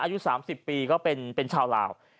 อายุ๓๐ปีก็เป็นชาวลาว